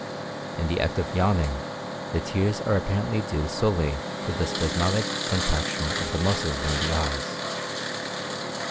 In the act of yawning, the tears are apparently due solely to the spasmodic contraction of the muscles round the eyes.